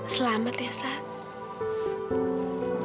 selamat ya sat